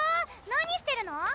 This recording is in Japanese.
何してるの？